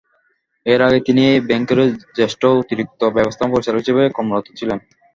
এর আগে তিনি এই ব্যাংকেরই জ্যেষ্ঠ অতিরিক্ত ব্যবস্থাপনা পরিচালক হিসেবে কর্মরত ছিলেন।